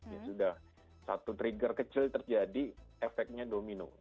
ya sudah satu trigger kecil terjadi efeknya domino